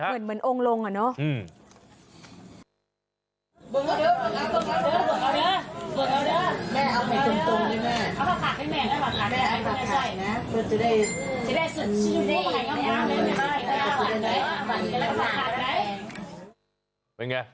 เหมือนองค์ลงอ่ะเนอะ